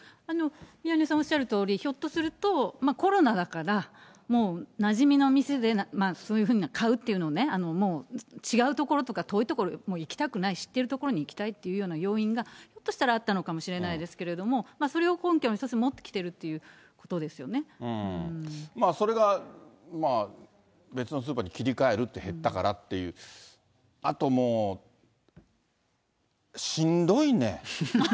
宮根さんおっしゃるとおり、ひょっとすると、コロナだから、もうなじみの店でそういうふうな買うっていうのね、違う所とか、遠いところに行きたくない、知ってる所に行きたいという要因がひょっとしたらあったのかもしれないですけども、それを根拠に１つ持ってきているっていうことそれがまあ、別のスーパーに切り替えるって減ったからって、あと、もうしんどいねん。